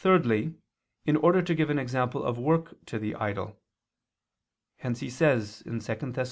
Thirdly, in order to give an example of work to the idle; hence he says (2 Thess.